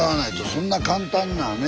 そんな簡単なね